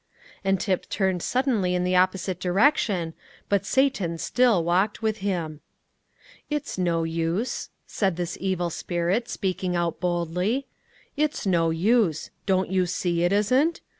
And Tip turned suddenly in the opposite direction, but Satan still walked with him. "It's no use," said this evil spirit, speaking out boldly, "it's no use; don't you see it isn't?